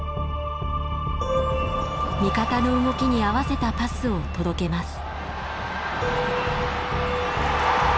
味方の動きに合わせたパスを届けます。